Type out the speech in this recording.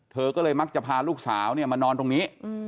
เธอก็เลยมักจะพาลูกสาวมานอนตรงนี้